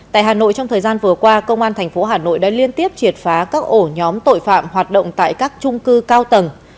tại hà nội trong thời gian vừa qua công an thành phố hà nội đã liên tiếp triệt phá các ổ nhóm tội phạm hoạt động tại các trung cư cao tầng